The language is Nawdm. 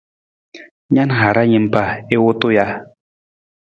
Na na hara niimpa i wutu ja?